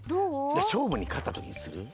しょうぶにかったときにする？